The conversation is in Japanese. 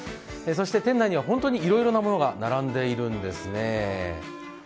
そして店内にはいろいろなものが並んでいるんですね。